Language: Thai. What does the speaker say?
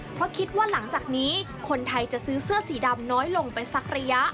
เพราะคิดว่าหลังจากนี้คนไทยจะซื้อเสื้อสีดำน้อยลงไปสักระยะ